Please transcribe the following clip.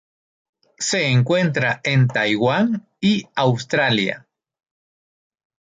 Se encuentra en Taiwán y Australia.